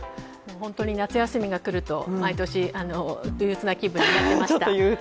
本当に夏休みに入ると毎年、憂鬱な気分になっていました。